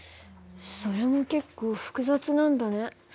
それも結構複雑なんだね。